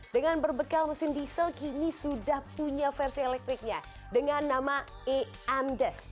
dengan berbekal mesin diesel kini sudah punya versi elektriknya dengan nama amdes